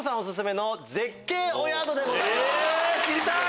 知りたい！